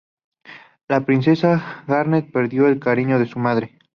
La princesa Garnet perdió el cariño de su madre.